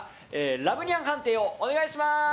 ラブニャン判定をお願いします！